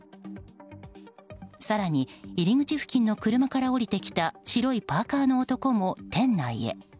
更に入り口付近の車から降りてきた白いパーカの男も店内へ。